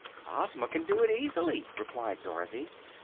"Ozma can do it, easily," replied Dorothy.